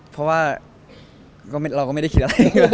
เพราะว่าเราก็ไม่ได้คิดอะไร